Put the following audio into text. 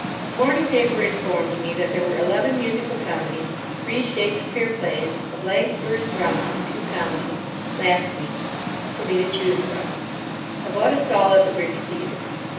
The morning paper informed me that there were eleven musical comedies, three Shakespeare plays, a blank verse drama, and two comedies ("last weeks") for me to choose from. I bought a stall at the Briggs Theatre.